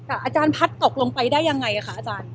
อาจารย์พัดตกลงไปได้ยังไงคะอาจารย์